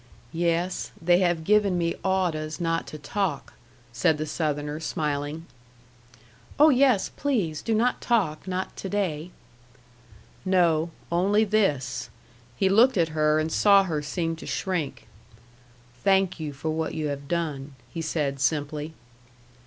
"Yes. They have given me awdehs not to talk," said the Southerner, smiling. "Oh, yes. Please do not talk not to day." "No. Only this" he looked at her, and saw her seem to shrink "thank you for what you have done," he said simply.